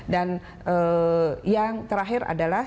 dan yang terakhir adalah